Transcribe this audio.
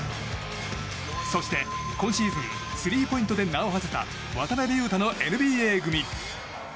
そして、今シーズンスリーポイントで名を馳せた渡邊雄太のＮＢＡ組。